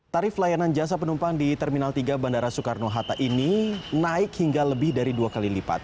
tarif layanan jasa penumpang di terminal tiga bandara soekarno hatta ini naik hingga lebih dari dua kali lipat